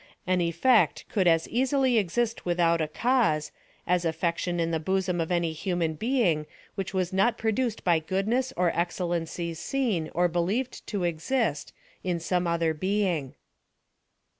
An effect could as easily exist without a cause, as affection in the bo som of any human being, which was not produced by goodness or excellencies seen, or believed to exist, in some other being.